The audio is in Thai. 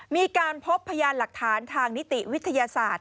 มีการพบพยานหลักฐานทางนิติวิทยาศาสตร์